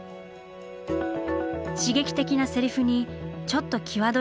刺激的なセリフにちょっと際どい内容。